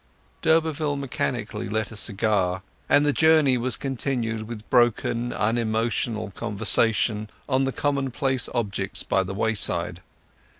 D'Urberville mechanically lit a cigar, and the journey was continued with broken unemotional conversation on the commonplace objects by the wayside.